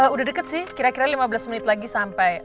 udah deket sih kira kira lima belas menit lagi sampai